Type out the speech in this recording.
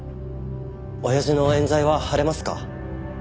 親父の冤罪は晴れますか？